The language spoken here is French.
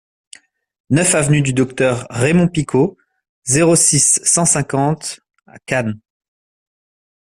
neuf avenue du Docteur Raymond Picaud, zéro six, cent cinquante, Cannes